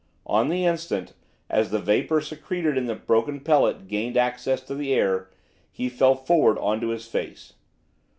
On the instant, as the vapour secreted in the broken pellet gained access to the air, he fell forward on to his face.